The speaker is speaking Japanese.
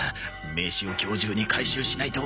名刺を今日中に回収しないと